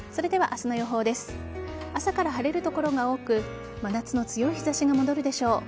朝から晴れる所が多く真夏の強い日差しが戻るでしょう。